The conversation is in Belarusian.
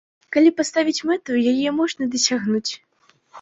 Калі паставіць мэту, яе можна дасягнуць.